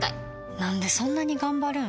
なんでそんなに頑張るん？